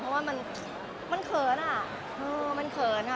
เพราะว่ามันเขินอ่ะมันเขินอ่ะ